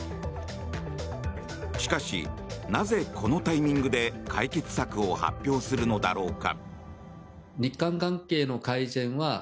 しかし、なぜこのタイミングで解決策を発表するのだろうか。